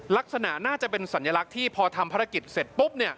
ลักษณะน่าจะเป็นสัญลักษณ์ที่พอทำภารกิจเสร็จปุ๊บ